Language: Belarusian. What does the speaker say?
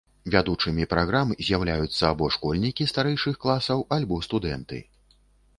Вядучымі праграм з'яўляюцца альбо школьнікі старэйшых класаў, альбо студэнты.